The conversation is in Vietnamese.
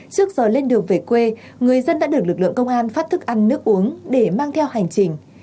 trước giờ lên đường về quê người dân đã được lực lượng công an phát thức ăn nước uống để mang theo hành trình